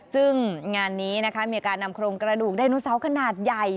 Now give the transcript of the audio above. ซึ่งงานนี้นะคะมีการนำโครงกระดูกไดโนเซาขนาดใหญ่